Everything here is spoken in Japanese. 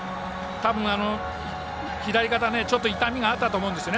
多分、左肩にちょっと痛みがあったと思うんですよね